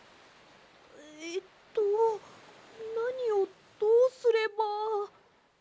えっとなにをどうすれば。